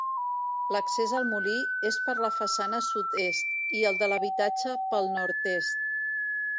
L'accés al molí és per la façana sud-est, i el de l'habitatge pel nord-est.